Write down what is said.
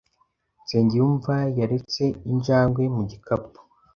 Nsengiyumva yaretse injangwe mu gikapu.